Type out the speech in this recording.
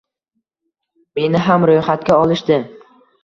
Meni ham roʻyxatga olishdi.